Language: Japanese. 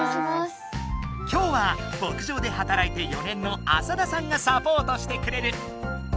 きょうは牧場ではたらいて４年の浅田さんがサポートしてくれる。